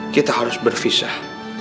kita harus berpisah